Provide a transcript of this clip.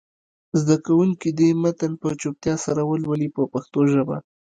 زده کوونکي دې متن په چوپتیا سره ولولي په پښتو ژبه.